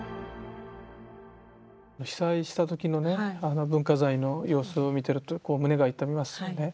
被災した時のね文化財の様子を見てると胸が痛みますよね。